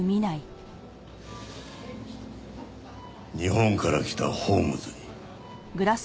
日本から来たホームズに。